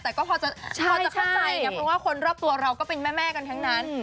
แต่ก็พอจะเข้าใจนะเพราะว่าคนรอบตัวเราก็เป็นแม่กันทั้งนั้น